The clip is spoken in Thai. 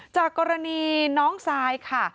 จากกรณีน้องซายค่ะ